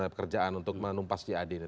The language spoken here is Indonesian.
pekerjaan untuk menumpas jad ini